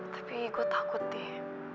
tapi gue takut deh